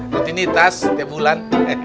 kalo ini tas setiap bulan